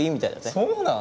そうなん？